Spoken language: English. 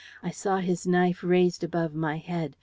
I saw his knife raised above my head.